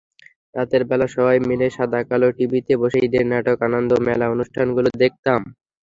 রাতেরবেলা সবাই মিলে সাদাকালো টিভিতে বসে ঈদের নাটক, আনন্দমেলা অনুষ্ঠানগুলো দেখতাম।